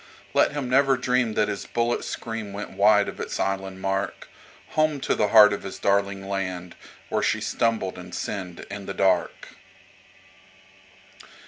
Let him never dream that his bullet's scream went wide of its island mark, Home to the heart of his darling land where she stumbled and sinned in the dark.